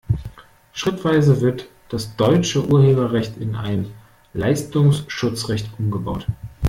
Schrittweise wird das deutsche Urheberrecht in ein Leistungsschutzrecht umgebaut.